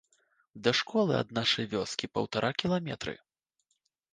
Да школы ад нашай вёскі паўтара кіламетры.